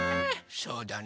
そうだね。